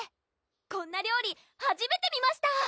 こんな料理はじめて見ました！